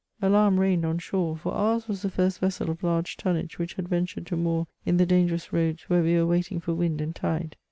Alarm reigned on shore, for ours was the first vessel of large tonnage which had ventured to moor in the dangerous roads where we were waiting for wind and tide.